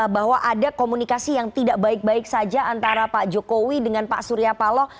bahwa ada komunikasi yang tidak baik baik saja antara pak jokowi dengan pak surya paloh